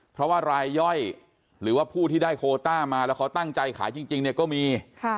เพราะว่ารายย่อยหรือว่าผู้ที่ได้โคต้ามาแล้วเขาตั้งใจขายจริงเนี่ยก็มี